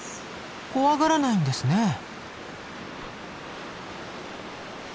怖がらないんですねえ。